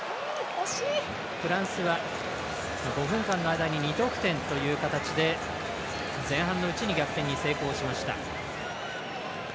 フランスは５分間の間に２得点という形で前半のうちに逆転に成功しました。